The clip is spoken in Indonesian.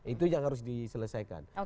itu yang harus diselesaikan